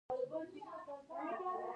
د میرمنو کار د ټولنې پراختیا مرسته کوي.